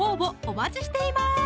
お待ちしています